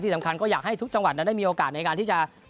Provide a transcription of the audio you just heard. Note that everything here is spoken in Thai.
สำคัญก็อยากให้ทุกจังหวัดนั้นได้มีโอกาสในการที่จะ